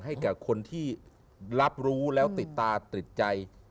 ให้กับคนที่รับรู้แล้วติดตาติดใจ